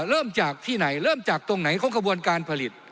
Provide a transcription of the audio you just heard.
เริ่มจากที่ไหนเริ่มจากตรงไหนของกระบวนการผลิต